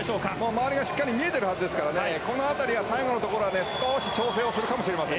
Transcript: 周りがしっかり見えているはずですからこの辺り、最後のところは少し調整するかもしれません。